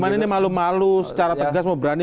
cuman ini malu malu secara tegas mau berani